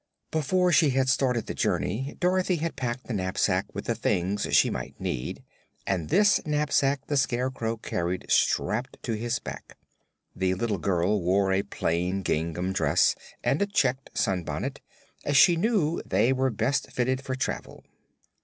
Before she had started on the journey Dorothy had packed a knapsack with the things she might need, and this knapsack the Scarecrow carried strapped to his back. The little girl wore a plain gingham dress and a checked sunbonnet, as she knew they were best fitted for travel.